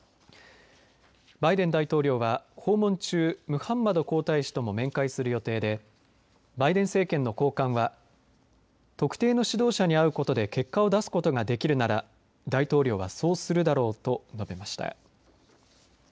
バイデン大統領は訪問中ムハンマド皇太子とも面会する予定でバイデン政権の高官は特定の指導者に会うことで結果を出すことができるなら大統領はそうするだろうと述べました。